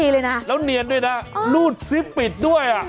แล้วเนียนด้วยนะรูดซิปปิดด้วย